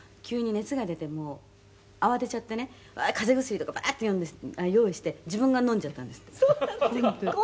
「急に熱が出てもう慌てちゃってね風邪薬とかバーッて用意して自分が飲んじゃったんですって」